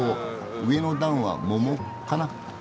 上の段は桃かな？